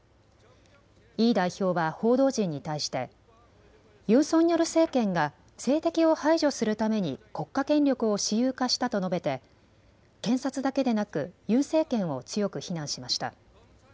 イ代表は報道陣に対して、ユン・ソンニョル政権が政敵を排除するために国家権力を私有化したと述べて検察だけでなくユン政権を強く非難しました。